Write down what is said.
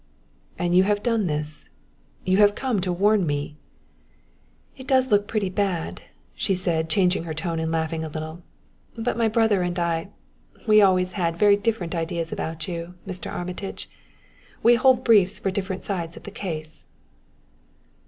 "And you have done this you have come to warn me " "It does look pretty bad," she said, changing her tone and laughing a little. "But my brother and I we always had very different ideas about you, Mr. Armitage. We hold briefs for different sides of the case."